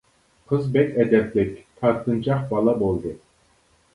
— قىز بەك ئەدەپلىك، تارتىنچاق بالا بولدى.